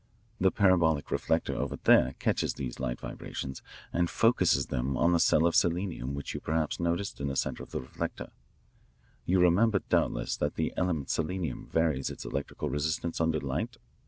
"The parabolic reflector over there catches these light vibrations and focuses them on the cell of selenium which you perhaps noticed in the centre of the reflector. You remember doubtless that the element selenium varies its electrical resistance under light?